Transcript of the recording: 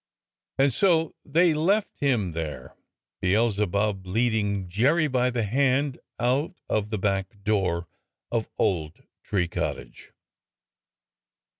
And so they left him there, Beelzebub leading Jerry by the hand out of the back door of Old Tree Cottage.